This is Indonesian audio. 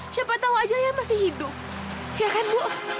siapa tau aja ayah masih hidup ya kan bu